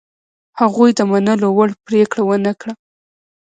هغوی د منلو وړ پرېکړه ونه کړه.